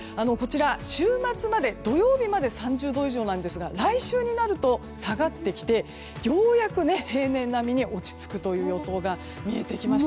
週末の土曜日まで３０度以上ですが来週になると下がってきてようやく平年並みに落ち着くという予想が見えてきました。